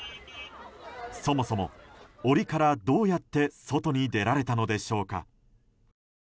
そもそも檻からどうやって外に出られたのでしょうか。